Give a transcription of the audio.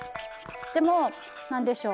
でも何でしょう